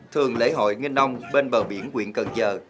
thường lễ hội nghênh nông bên bờ biển quyển cần giờ